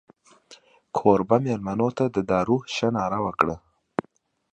کوربه مېلمنو ته د دارو شه ناره وکړه.